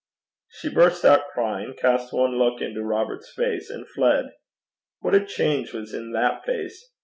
She burst out crying, cast one look into Robert's face, and fled. What a change was in that face?